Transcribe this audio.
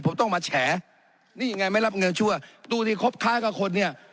ผมต้องมาแฉนี่ยังไงไม่รับเงินชั่วดูดิครบค้ากับคนเนี่ย